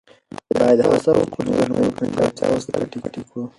باید هڅه وکړو چې د نورو په نیمګړتیاوو سترګې پټې کړو.